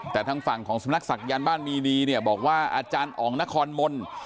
แต่ทางฝั่งของสำนักศักยันต์บ้านมีนีเนี่ยบอกว่าอาจารย์อ๋องนครมนต์